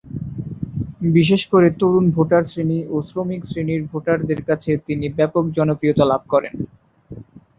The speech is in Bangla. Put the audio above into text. বিশেষ করে তরুণ ভোটার শ্রেণী ও শ্রমিক শ্রেণীর ভোটারদের কাছে তিনি ব্যাপক জনপ্রিয়তা লাভ করেন।